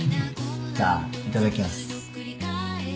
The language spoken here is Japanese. じゃあいただきます。